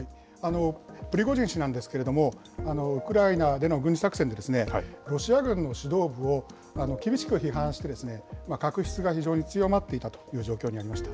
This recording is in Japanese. プリゴジン氏なんですけれども、ウクライナでの軍事作戦で、ロシア軍の指導部を厳しく批判して、確執が非常に強まっていたという状況にあります。